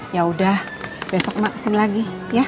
ya udah besok makan kesini lagi